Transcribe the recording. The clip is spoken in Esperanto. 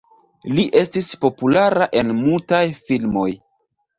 Li estis populara en mutaj filmoj.